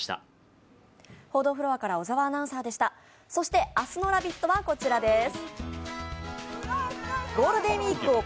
そして明日の「ラヴィット！」はこちらです。